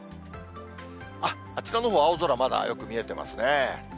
あっ、あちらのほう、青空がよく見えてますね。